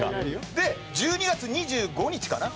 で１２月２５日かな？